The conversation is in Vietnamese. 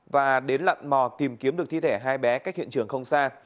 và đến lặn mò tìm kiếm được thi thể hai bé cách hiện trường không xa